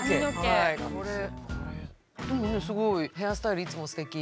でもねすごいヘアスタイルいつもすてき。